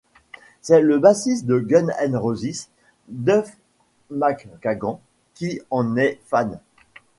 C'est le bassiste de Guns N'Roses, Duff McKagan, qui en est fan.